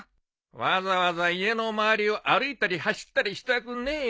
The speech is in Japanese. わざわざ家の周りを歩いたり走ったりしたくねえよ。